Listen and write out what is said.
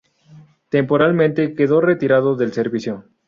Temporalmente quedó retirado del servicio.